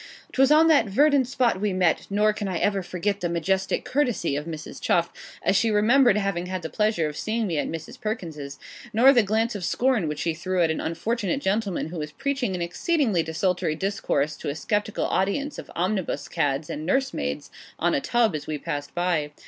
'Twas on that verdant spot we met nor can I ever forget the majestic courtesy of Mrs. Chuff, as she remembered having had the pleasure of seeing me at Mrs. Perkins's nor the glance of scorn which she threw at an unfortunate gentleman who was preaching an exceedingly desultory discourse to a sceptical audience of omnibus cads and nurse maids, on a tub, as we passed by.